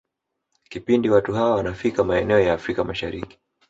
Kipindi watu hawa wanafika maeneo ya Afrika Mashariki